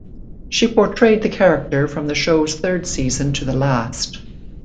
She portrayed the character from the show's third season to the last.